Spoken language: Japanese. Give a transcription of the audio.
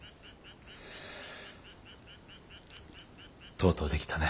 とうとう出来たね。